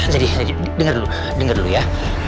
jadi denger dulu ya